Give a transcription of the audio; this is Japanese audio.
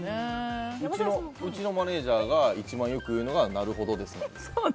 うちのマネジャーが一番よく言うのはなるほどですね。